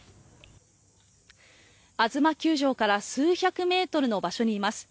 あづま球場から数百メートルの場所にいます。